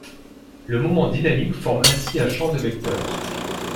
Le moment dynamique forme ainsi un champ de vecteur.